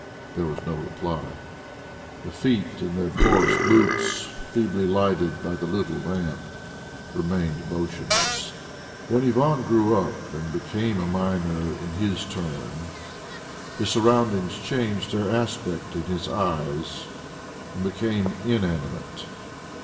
There was no reply. The feet in their coarse boots, feebly lighted by the little lamp, remained motionless. When Ivan grew up and became a miner in his turn his surroundings changed their aspect in his eyes and became inanimate.